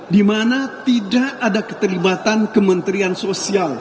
di mana tidak ada keterlibatan kementerian sosial